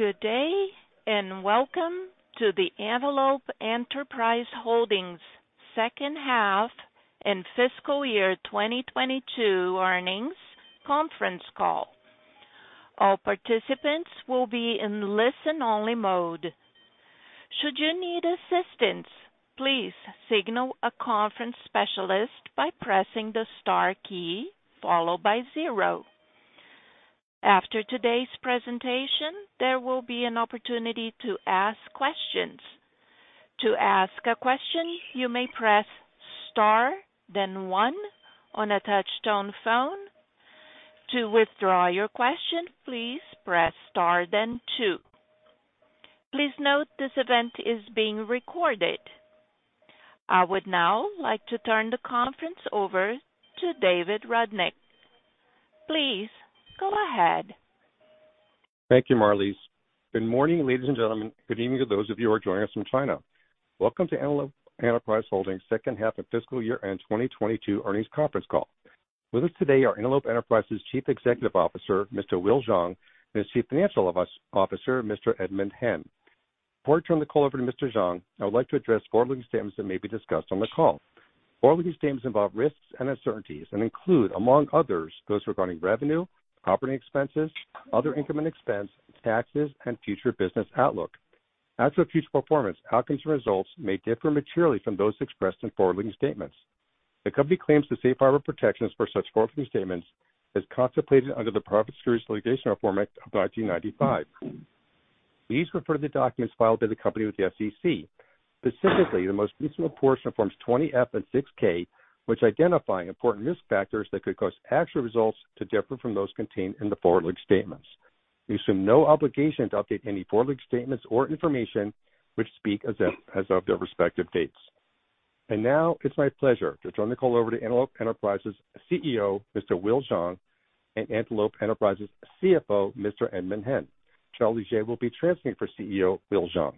Good day, welcome to the Antelope Enterprise Holdings second half and fiscal year 2022 earnings conference call. All participants will be in listen only mode. Should you need assistance, please signal a conference specialist by pressing the star key followed by zero. After today's presentation, there will be an opportunity to ask questions. To ask a question, you may press star then one on a touch-tone phone. To withdraw your question, please press star then two. Please note this event is being recorded. I would now like to turn the conference over to David Rudnick. Please go ahead. Thank you, Marliese. Good morning, ladies and gentlemen. Good evening to those of you who are joining us from China. Welcome to Antelope Enterprise Holdings second half of fiscal year end 2022 earnings conference call. With us today are Antelope Enterprise's Chief Executive Officer, Mr. Will Zhang, and Chief Financial Officer, Mr. Edmond Hen. Before I turn the call over to Mr. Zhang, I would like to address forward-looking statements that may be discussed on the call. Forward-looking statements involve risks and uncertainties and include, among others, those regarding revenue, operating expenses, other income and expense, taxes, and future business outlook. As for future performance, outcomes and results may differ materially from those expressed in forward-looking statements. The company claims the safe harbor protections for such forward-looking statements as contemplated under the Private Securities Litigation Reform Act of 1995. Please refer to the documents filed to the company with the SEC, specifically the most recent portion of Forms 20-F and 6-K, which identify important risk factors that could cause actual results to differ from those contained in the forward-looking statements. We assume no obligation to update any forward-looking statements or information which speak as of their respective dates. Now it's my pleasure to turn the call over to Antelope Enterprise CEO, Mr. Will Zhang, and Antelope Enterprise CFO, Mr. Edmond Hen. Charlie Jay will be translating for CEO Will Zhang.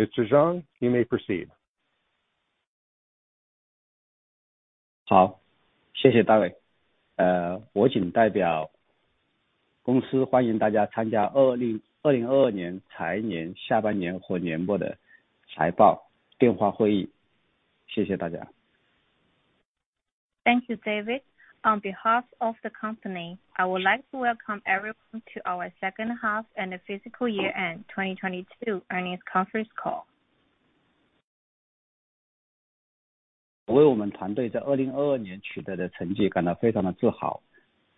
Mr. Zhang, you may proceed. 好， 谢谢大卫。呃， 我谨代表公司欢迎大家参加二 零， 二零二二年财年下半年和年末的财报电话会议。谢谢大家。Thank you, David. On behalf of the company, I would like to welcome everyone to our second half and the fiscal year end 2022 earnings conference call. 我为我们团队在2022年取得的成绩感到非常的自 豪，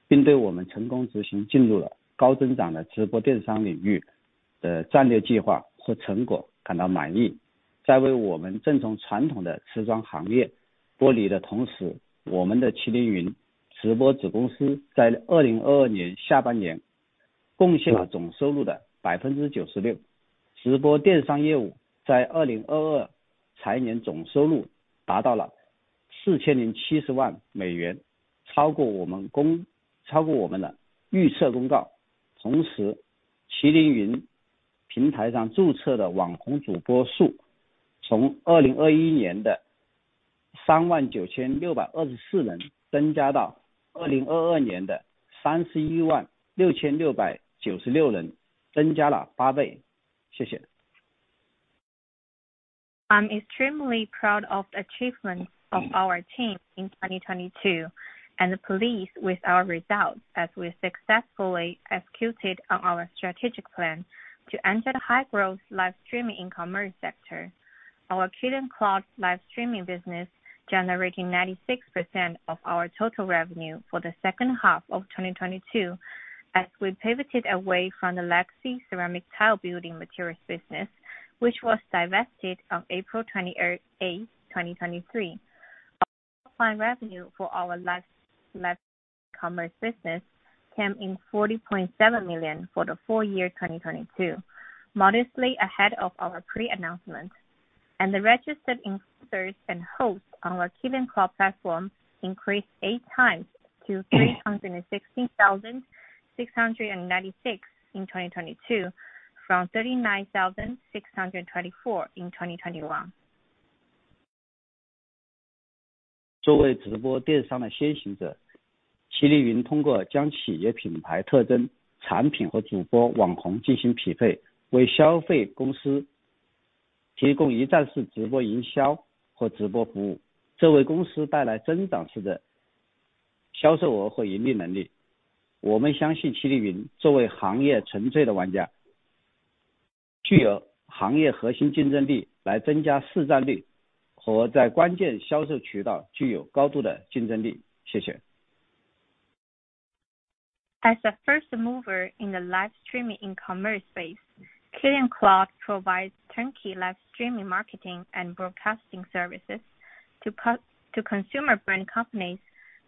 并对我们成功执行进入了高增长的直播电商领域的战略计划和成果感到满意。在为我们挣从传统的服装行业剥离的同 时， 我们的麒麟云直播子公司在2022年下半年贡献了总收入的 96%。直播电商业务在2022财年总收入达到了 $40.7 million。超过我们的预测公告。同 时， 麒麟云平台上注册的网红主播数从2021年的 39,624 人增加到2022年的 316,696 人， 增加了8 倍。谢谢。I'm extremely proud of the achievements of our team in 2022, and pleased with our results as we successfully executed on our strategic plan to enter the high growth livestreaming ecommerce sector. Our KylinCloud livestreaming business generating 96% of our total revenue for the second half of 2022, as we pivoted away from the legacy ceramic tile building materials business, which was divested on April 28, 2023. Our final revenue for our live commerce business came in $40.7 million for the full year 2022, modestly ahead of our pre-announcement. The registered influencers and hosts on our KylinCloud platform increased 8 times to 316,696 in 2022, from 39,624 in 2021. 作为直播电商的先行 者， KylinCloud 通过将企业品牌特征、产品和主播网红进行匹 配， 为消费公司提供一站式直播营销和直播服 务， 这为公司带来增长式的销售额和盈利能力。我们相信 KylinCloud 作为行业沉醉的玩 家， 具有行业核心竞争力来增加市占率，和在关键销售渠道具有高度的竞争力。谢谢。As a first mover in the live streaming e-commerce space, KylinCloud provides turnkey live streaming, marketing and broadcasting services to consumer brand companies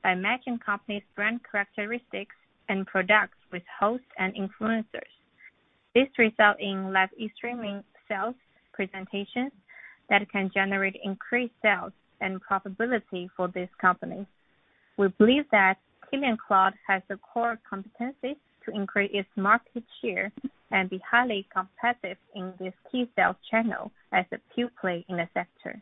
by matching companies brand characteristics and products with hosts and influencers. This result in live streaming sales presentations that can generate increased sales and profitability for this company. We believe that KylinCloud has the core competencies to increase its market share and be highly competitive in this key sales channel as a pure play in the sector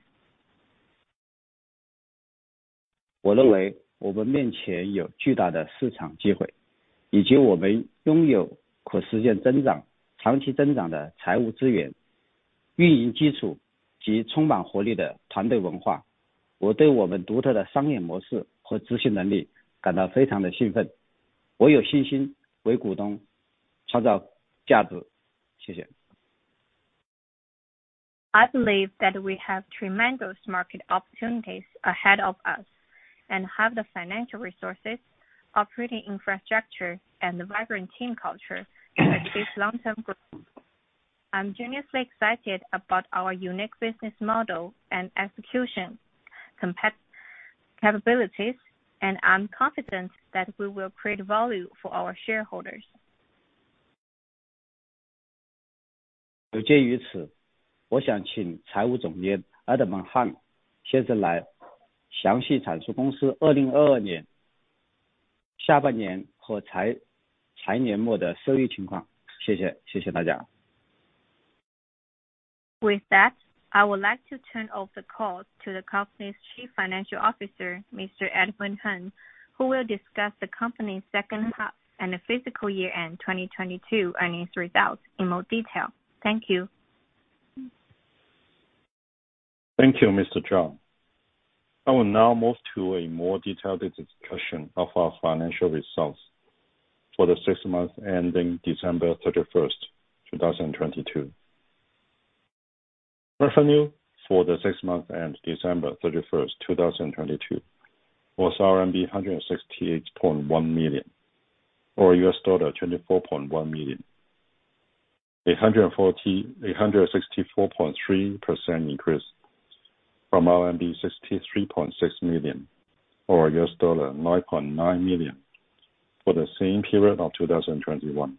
我认为我们面前有巨大的市场机 会， 以及我们拥有可实现增 长， 长期增长的财务资源、运营基础及充满活力的团队文化。我对我们独特的商业模式和执行能力感到非常的兴 奋， 我有信心为股东创造价值。谢谢。I believe that we have tremendous market opportunities ahead of us and have the financial resources, operating infrastructure, and the vibrant team culture to achieve long-term growth. I'm genuinely excited about our unique business model and execution capabilities, and I'm confident that we will create value for our shareholders. 有鉴于 此， 我想请财务总监 Edmond Hen 先生来详细阐述公司二零二二年下半年和财-财年末的收益情况。谢谢。谢谢大家。With that, I would like to turn over the call to the company's Chief Financial Officer, Mr. Edmond Hen, who will discuss the company's second half and the fiscal year end 2022 earnings results in more detail. Thank you. Thank you, Mr. Zhang. I will now move to a more detailed discussion of our financial results for the six months December 31st, 2022. Revenue for the six months December 31st, 2022 was RMB 168.1 million or $24.1 million. A 164.3% increase from RMB 63.6 million or $9.9 million for the same period of 2021.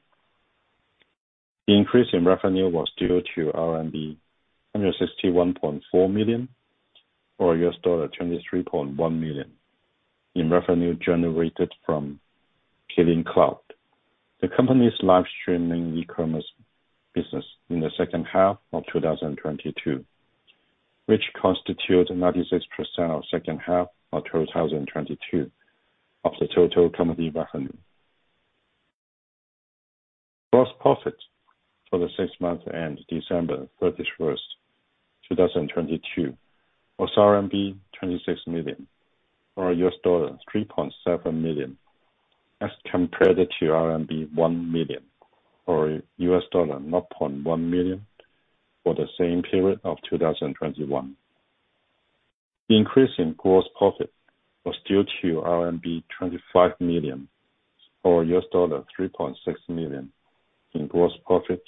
The increase in revenue was due to RMB 161.4 million or $23.1 million in revenue generated from KylinCloud. The company's livestreaming ecommerce business in the second half of 2022, which constitute 96% of second half of 2022 of the total company revenue. Gross profit for the six months December 31st, 2022 was 26 million or $3.7 million as compared to RMB 1 million or $9.1 million for the same period of 2021. The increase in gross profit was due to RMB 25 million or $3.6 million in gross profit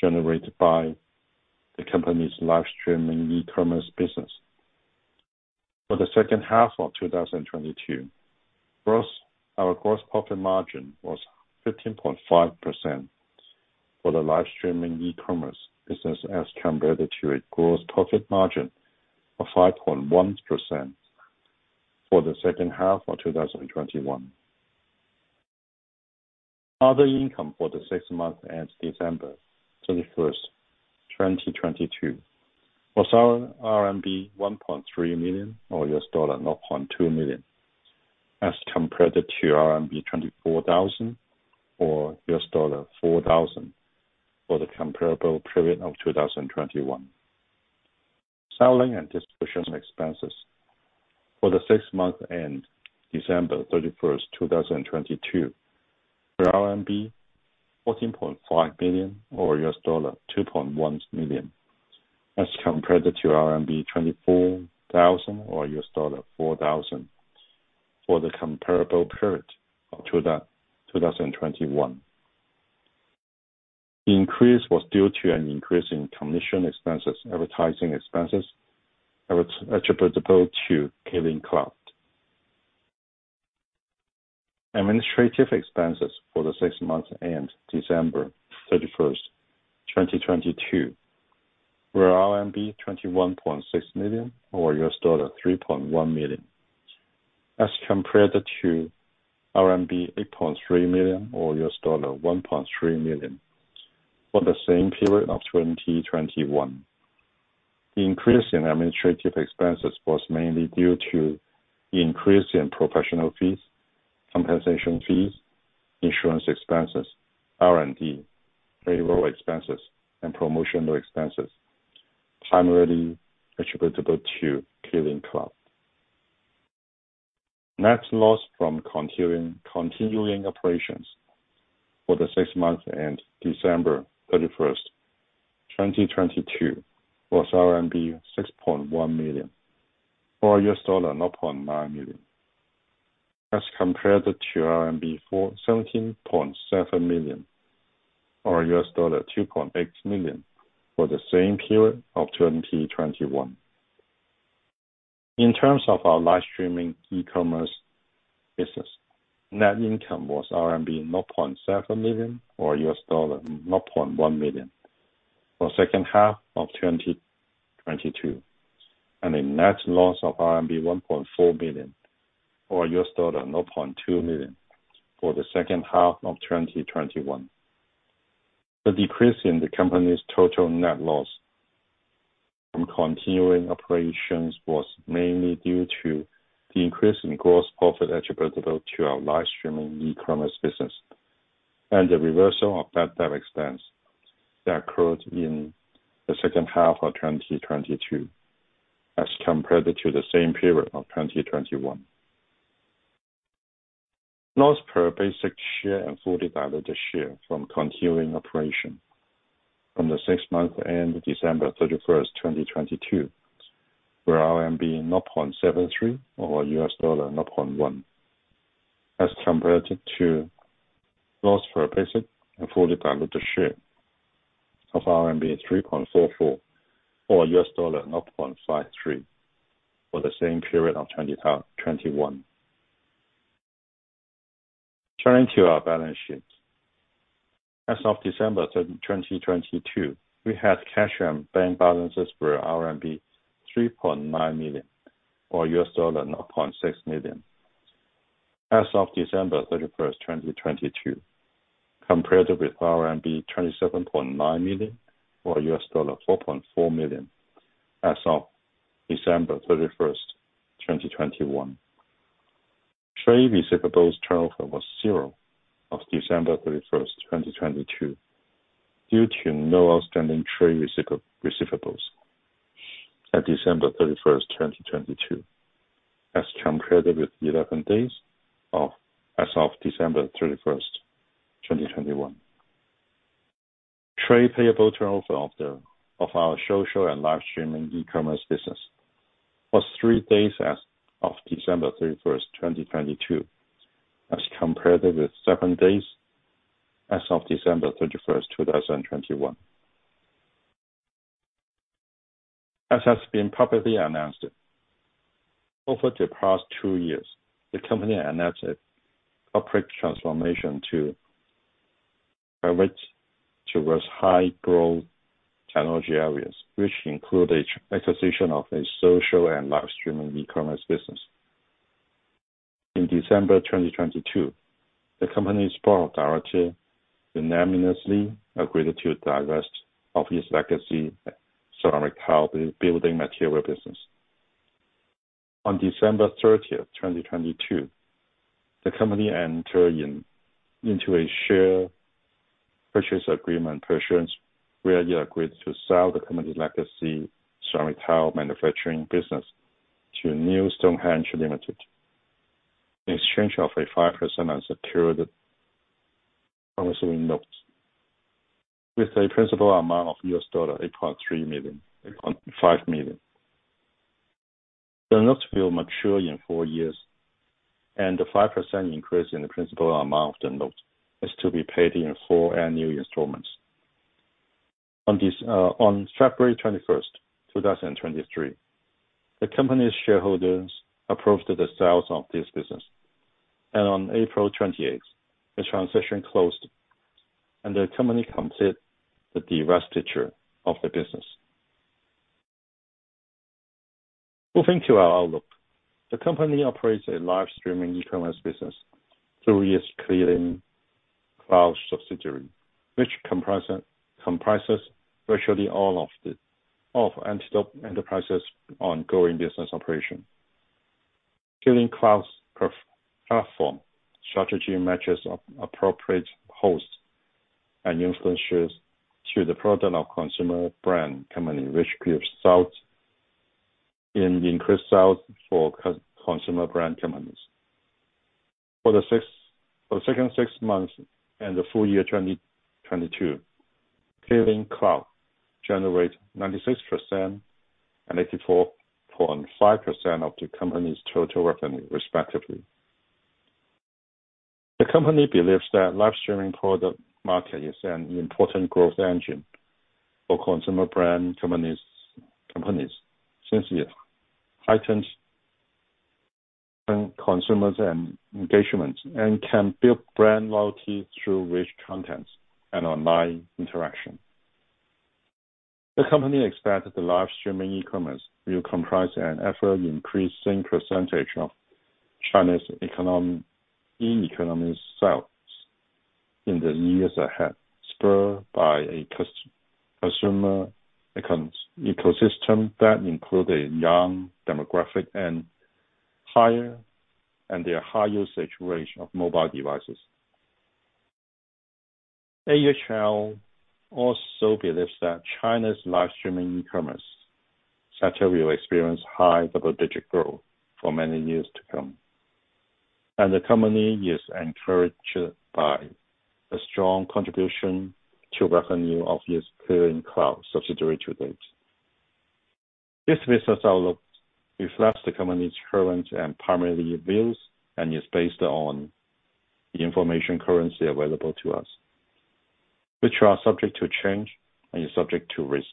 generated by the company's livestreaming e-commerce business. For the second half of 2022, our gross profit margin was 15.5% for the livestreaming e-commerce business as compared to a gross profit margin of 5.1% for the second half of 2021. Other income for the 6 months December 31st, 2022 was RMB 1.3 million or $9.2 million, as compared to RMB 24,000 or $4,000 for the comparable period of 2021. Selling and distribution expenses. For the 6 months December 31st, 2022 were RMB 14.5 million or $2.1 million, as compared to RMB 24,000 or $4,000 for the comparable period of 2021. The increase was due to an increase in commission expenses, advertising expenses, attributable to KylinCloud. Administrative expenses for the six months December 31st, 2022 were RMB 21.6 million or $3.1 million as compared to RMB 8.3 million or $1.3 million for the same period of 2021. The increase in administrative expenses was mainly due to the increase in professional fees, compensation fees, insurance expenses, R&D, payroll expenses and promotional expenses primarily attributable to KylinCloud. Net loss from continuing operations for the six months December 31st, 2022 was RMB 6.1 million or $9.9 million as compared to 17.7 million or $2.8 million for the same period of 2021. In terms of our livestreaming ecommerce business, net income was RMB 9.7 million or $9.1 million for second half of 2022, and a net loss of RMB 1.4 million or $9.2 million for the second half of 2021. The decrease in the company's total net loss from continuing operations was mainly due to the increase in gross profit attributable to our livestreaming ecommerce business and the reversal of that debt expense that occurred in the second half of 2022 as compared to the same period of 2021. Loss per basic share and fully diluted share from continuing operation from the six months December 31st, 2022 were RMB 0.73 or $0.1, as compared to loss per basic and fully diluted share of RMB 3.44 or $0.53 for the same period of 2021. Turning to our balance sheet. As of December 2022, we had cash and bank balances for RMB 3.9 million or $0.6 million as December 31st, 2022, compared with RMB 27.9 million or $4.4 million as of December 31st, 2021. Trade receivables turnover was 0 of December 31st, 2022 due to no outstanding trade receivables at December 31st, 2022, as compared with 11 days of, as of December 31st, 2021. Trade payable turnover of our social and live streaming e-commerce business was 3 days as of December 31st, 2022, as compared with 7 days as of December 31st, 2021. As has been publicly announced, over the past 2 years, the company announced a corporate transformation to pivot towards high growth technology areas, which include a acquisition of a social and live streaming e-commerce business. In December 2022, the company's board of director unanimously agreed to divest of its legacy ceramic tile building material business. On December 30th, 2022, the company entered into a share purchase agreement issuance where it agreed to sell the company's legacy ceramic tile manufacturing business to New Stonehenge Limited in exchange of a 5% unsecured promissory note with a principal amount of $8.3 million, $8.5 million. The notes will mature in 4 years and a 5% increase in the principal amount of the note is to be paid in 4 annual installments. On February 21st, 2023, the company's shareholders approved the sales of this business. On April 28, the transition closed, and the company completed the divestiture of the business. Moving to our outlook. The company operates a live streaming e-commerce business through its KylinCloud subsidiary, which comprises virtually all of the, all of Antelope Enterprise's ongoing business operation. KylinCloud's platform strategy matches up appropriate hosts and influencers to the product of consumer brand company, which gives sales in increased sales for consumer brand companies. For the second six months and the full year 2022, KylinCloud generated 96% and 84.5% of the company's total revenue respectively. The company believes that live streaming product market is an important growth engine for consumer brand companies since it heightens consumers and engagement and can build brand loyalty through rich contents and online interaction. The company expects the live streaming e-commerce will comprise an ever-increasing percentage of China's e-economy sales in the years ahead, spurred by a consumer ecosystem that include a young demographic and higher, and their high usage ratio of mobile devices. AEHL also believes that China's live streaming e-commerce sector will experience high double-digit growth for many years to come. The company is encouraged by the strong contribution to revenue of its KylinCloud subsidiary to date. This business outlook reflects the company's current and primary views and is based on the information currently available to us, which are subject to change and is subject to risk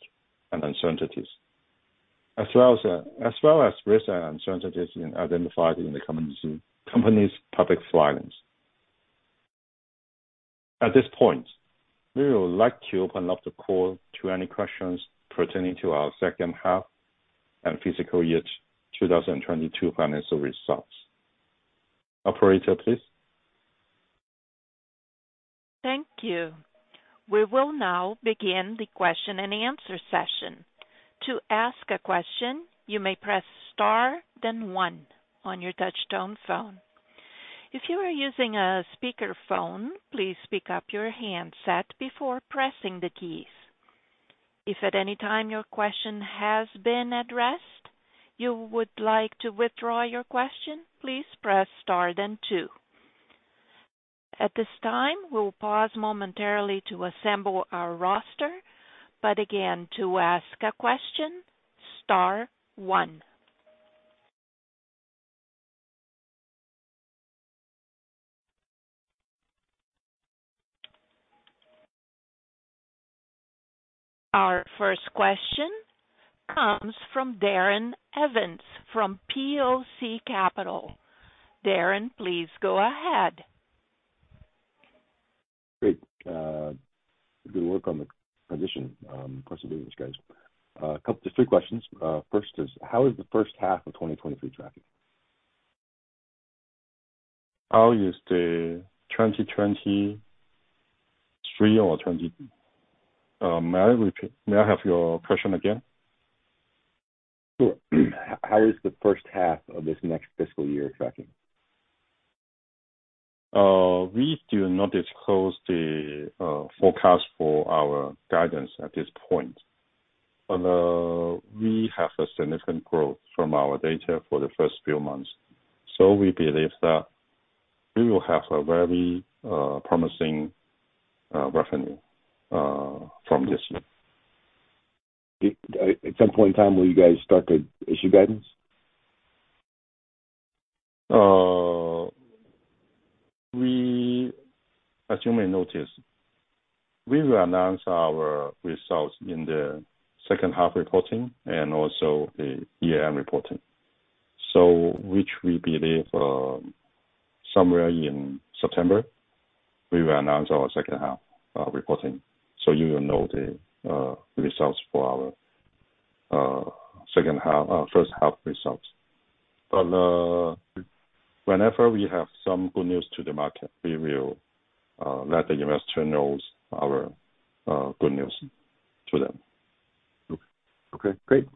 and uncertainties, as well as risks and uncertainties identified in the company's public filings. At this point, we would like to open up the call to any questions pertaining to our second half and fiscal year 2022 financial results. Operator, please. Thank you. We will now begin the question and answer session. To ask a question, you may press Star then one on your touchtone phone. If you are using a speakerphone, please pick up your handset before pressing the keys. If at any time your question has been addressed, you would like to withdraw your question, please press Star then two. At this time, we'll pause momentarily to assemble our roster. Again, to ask a question, star one. Our first question comes from Daron Evans from PoC Capital. Darren, please go ahead. Great. Good work on the transition. Course of business, guys. Just 3 questions. First is, how is the first half of 2023 tracking? How is the 2023 or 20... May I repeat? May I have your question again? Sure. How is the first half of this next fiscal year tracking? We do not disclose the forecast for our guidance at this point. We have a significant growth from our data for the first few months. We believe that we will have a very promising revenue from this year. At some point in time, will you guys start to issue guidance? As you may notice, we will announce our results in the second half reporting and also the year-end reporting. Which we believe, somewhere in September, we will announce our second half reporting, so you will know the results for our second half first half results. Whenever we have some good news to the market, we will let the investor knows our good news to them. Okay. Great.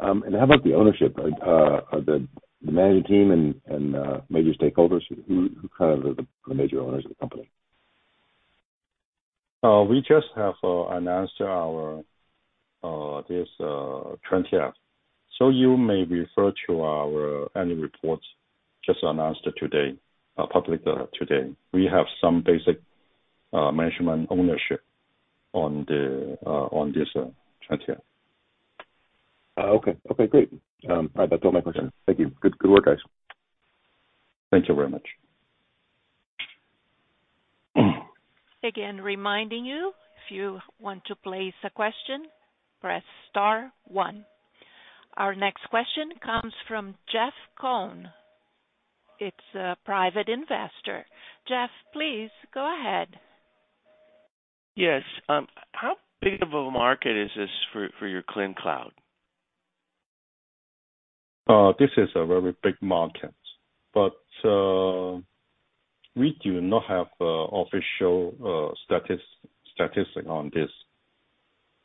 How about the ownership, the managing team and major stakeholders? Who kind of are the major owners of the company? we just have announced our this 20-F. You may refer to our annual reports just announced today public today. We have some basic management ownership on the on this 20-F. Okay. Okay, great. All right. That's all my questions. Thank you. Good work, guys. Thank you very much. Again, reminding you, if you want to place a question, press star one. Our next question comes from Jeff Cohn. It's a private investor. Jeff, please go ahead. Yes. How big of a market is this for your KylinCloud? This is a very big market, but we do not have a official statistic on this.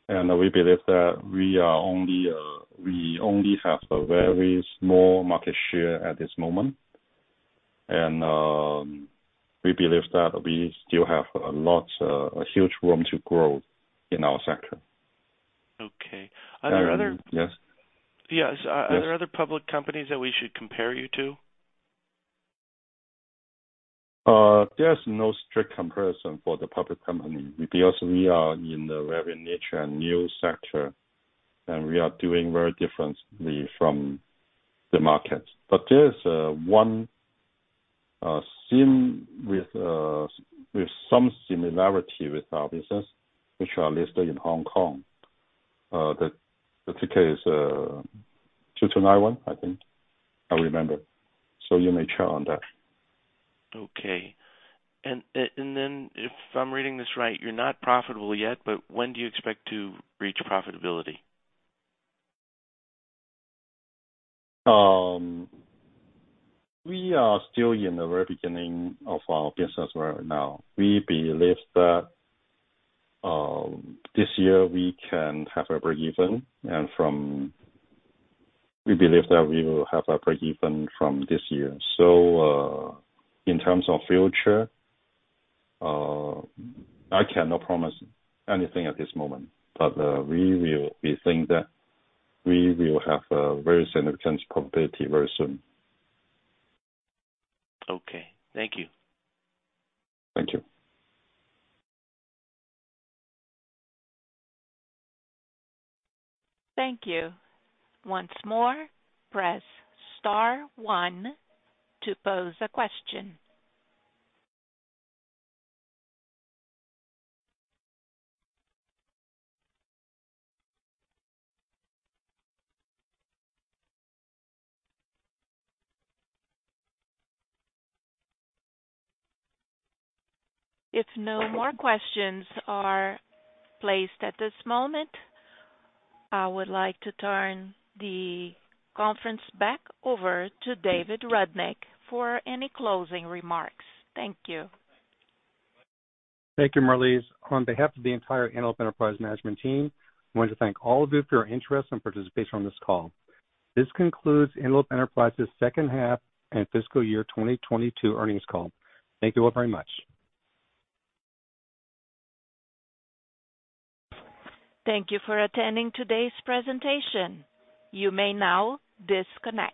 We believe that we only have a very small market share at this moment. We believe that we still have a huge room to grow in our sector. Okay. Are there? Yes. Yes. Yes. Are there other public companies that we should compare you to? There's no strict comparison for the public company because we are in a very niche and new sector, and we are doing very differently from the market. But there's one sim with some similarity with our business, which are listed in Hong Kong. The ticket is 2291, I think. I remember. So you may check on that. Okay. Then if I'm reading this right, you're not profitable yet, but when do you expect to reach profitability? We are still in the very beginning of our business right now. We believe that, this year we can have a breakeven. We believe that we will have a breakeven from this year. In terms of future, I cannot promise anything at this moment. We will, we think that we will have a very significant profitability very soon. Okay. Thank you. Thank you. Thank you. Once more, press star one to pose a question. If no more questions are placed at this moment, I would like to turn the conference back over to David Rudnick for any closing remarks. Thank you. Thank you, Marliese. On behalf of the entire Antelope Enterprise management team, I want to thank all of you for your interest and participation on this call. This concludes Antelope Enterprise's second half and fiscal year 2022 earnings call. Thank you all very much. Thank you for attending today's presentation. You may now disconnect.